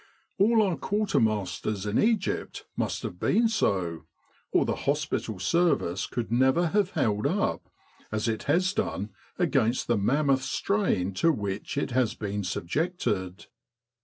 All our 247 With the R.A.M.C. in Egypt quartermasters in Egypt must have been so, or the hospital service could never have held up, as it has done, against the mammoth strain to which it has been subjected.